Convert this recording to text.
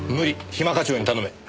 暇課長に頼め。